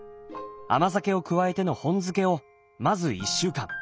甘酒を加えての本漬けをまず１週間。